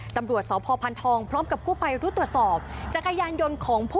ตำรวจสพพานทองพร้อมกับผู้ไปรู้ตรวจสอบ